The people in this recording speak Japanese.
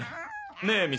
ねえみ